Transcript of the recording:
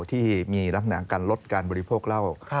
ที่มีลักษณะการลดการบริโภคเหล้า